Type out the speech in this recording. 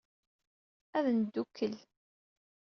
Ad neddukkel.